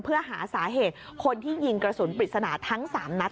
เพื่อหาสาเหตุคนที่ยิงกระสุนปริศนาทั้ง๓นัด